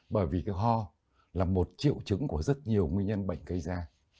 bởi vì cái ho là một triệu trứng của rất nhiều nguyên nhân bệnh cây da